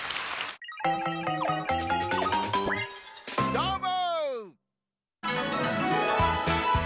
どーも！